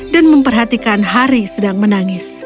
dan memperhatikan harry sedang menangis